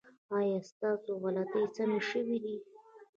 ایا ستاسو غلطۍ سمې شوې دي؟